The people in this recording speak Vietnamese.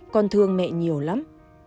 con thương mẹ nhiều lắm